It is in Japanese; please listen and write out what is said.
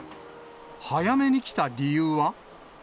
早めに来た理由は。